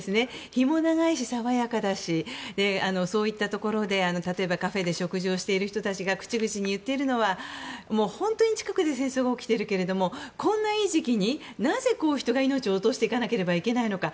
日も長いし爽やかだしそういったところで例えばカフェで食事をしている人たちが口々に言っているのは本当に近くで戦争が起きているけどこんなにいい時期になぜ、人が命を落としていかなければいけないのか。